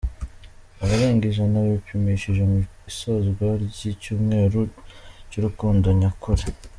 Abarenga ijana bipimishije mu isozwa ry’icyumweru cy’urukundo nyakuri